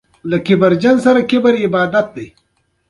ښایست هر انسان ته ځانګړی وي